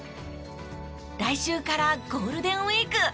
来週からゴールデンウィーク！